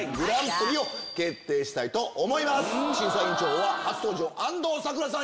審査員長は初登場安藤サクラさん。